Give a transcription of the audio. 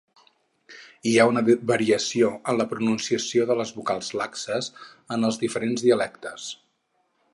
Hi ha una variació en la pronunciació de les vocals laxes en els diferents dialectes.